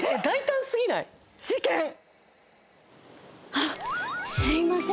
あっすいません。